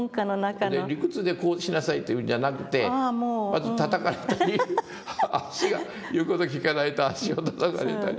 理屈でこうしなさいというんじゃなくてまずたたかれたり足が言う事聞かないと足をたたかれたり。